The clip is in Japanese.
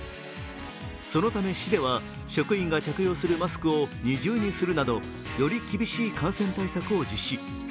そのため市では職員が着用するマスクを二重にするなどより厳しい感染対策を実施。